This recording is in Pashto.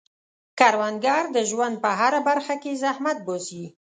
کروندګر د ژوند په هره برخه کې زحمت باسي